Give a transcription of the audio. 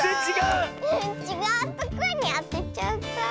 ちがうとこにあてちゃった。